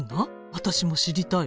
私も知りたいわ。